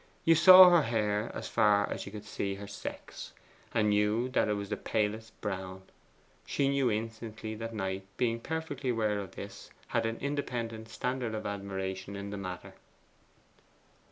You saw her hair as far as you could see her sex, and knew that it was the palest brown. She knew instantly that Knight, being perfectly aware of this, had an independent standard of admiration in the matter.